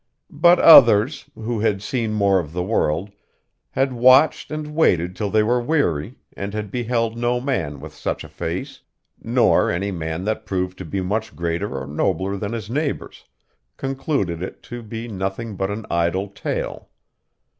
But others, who had seen more of the world, had watched and waited till they were weary, and had beheld no man with such a face, nor any man that proved to be much greater or nobler than his neighbors, concluded it to be nothing but an idle tale.